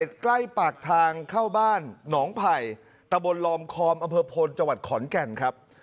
ใกล้ปากทางเข้าบ้านหนองไผ่ตะบนลอมคอมอำเภอพลจังหวัดขอนแก่นครับ